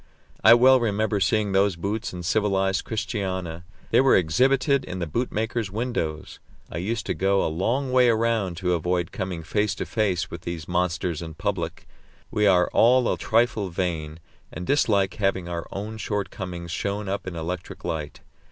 I well remember seeing these boots in civilized Christiania. They were exhibited in the bootmaker's windows I used to go a long way round to avoid coming face to face with these monsters in public. We are all a trifle vain, and dislike having our own shortcomings shown up in electric light.